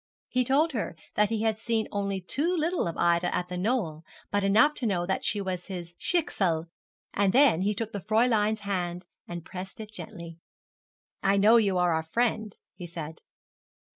He told her that he had seen only too little of Ida at The Knoll, but enough to know that she was his 'Schicksal'; and then he took the Fräulein's hand and pressed it gently. 'I know you are our friend,' he said.